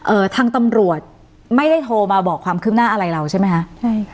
ทางตำรวจไม่ได้โทรมาบอกความคืบหน้าอะไรเราใช่ไหมคะใช่ค่ะ